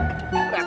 pecuk dung prap